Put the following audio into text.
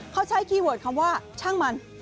เขาใช้คีย์เวิร์ดคำว่าช่างมัน